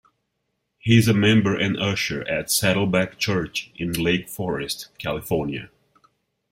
He is a member and usher at Saddleback Church in Lake Forest, California.